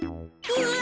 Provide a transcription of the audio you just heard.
うわ。